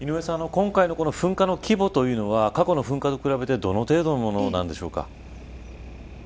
今回の噴火の規模というのは過去の噴火と比べてどの程度のものなんでしょうか。